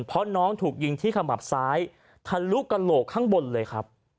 เพราะน้องถูกยิงที่ขมับซ้ายทะลุกระโหลกข้างบนเลยครับ